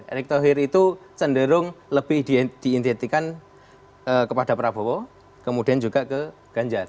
erick thohir itu cenderung lebih diidetikan kepada prabowo kemudian juga ke ganjar